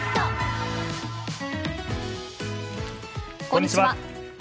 こんにちは。